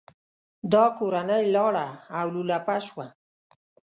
دا کورنۍ لاړه او لولپه شوه.